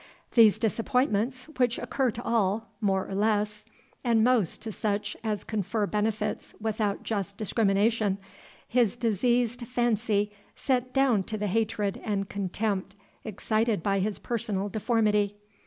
These disappointments, which occur to all, more or less, and most to such as confer benefits without just discrimination, his diseased fancy set down to the hatred and contempt excited by his personal deformity.